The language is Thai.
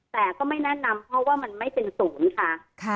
แต่ก็ไม่แนะนำเพราะว่ามันไม่เป็นศูนย์ค่ะ